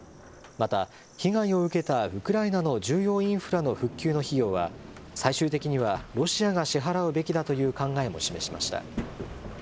また被害を受けたウクライナの重要インフラの復旧の費用は、最終的にはロシアが支払うべきだという考えも示しました。